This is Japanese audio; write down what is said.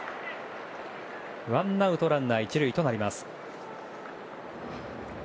ワンアウトランナー１塁となります。